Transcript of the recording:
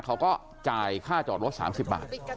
เขาก็จ่ายค่าจอดรถ๓๐บาท